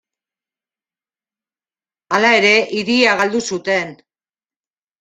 Hala ere, hiria galdu zuten.